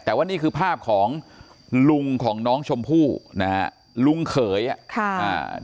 แต่ว่านี่คือภาพของลุงของน้องชมพู่นะฮะลุงเขยอ่ะค่ะอ่า